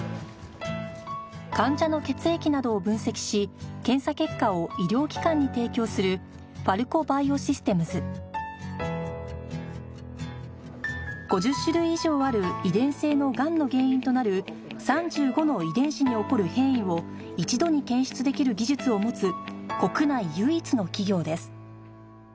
患者の血液などを分析し検査結果を医療機関に提供する５０種類以上ある遺伝性のがんの原因となる３５の遺伝子に起こる変異を一度に検出できる技術を持つ国内唯一の企業です